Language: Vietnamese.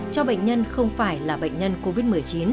cho bệnh nhân không phải là bệnh nhân covid một mươi chín